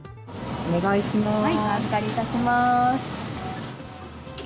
お願いします。